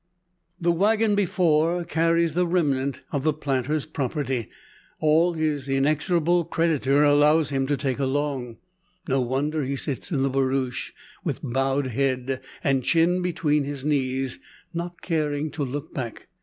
The wagon, before, carries the remnant of the planter's property, all his inexorable creditor allows him to take along. No wonder he sits in the barouche, with bowed head, and chin between his knees, not caring to look back.